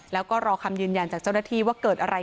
แล้วก็รอคำยืนยันจากเจ้าหน้าที่ว่าเกิดอะไร